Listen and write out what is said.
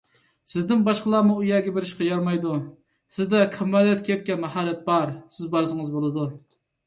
سىزدىن باشقىلارمۇ ئۇ يەرگە بېرىشقا يارىمايدۇ، سىزدە كامالەتكە يەتكەن ماھارەت بار، سىز بارسىڭىز بولىدۇ.